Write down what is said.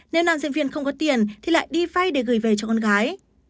nên nam diễn viên không có tiền thì lại đi vay để gửi về cho con gái